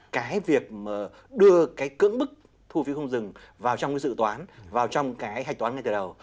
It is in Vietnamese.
cái việc mà đưa cái cưỡng bức thu phí không dừng vào trong cái dự toán vào trong cái hạch toán ngay từ đầu